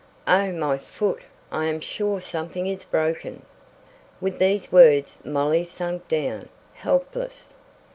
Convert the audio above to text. "Oh, my foot! I am sure something is broken!" With these words Molly sank down, helpless.